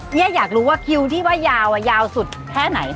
เนี่ยอยากรู้ว่าคิวที่ว่ายาวยาวสุดแค่ไหน